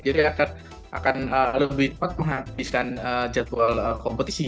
akan lebih cepat menghabiskan jadwal kompetisi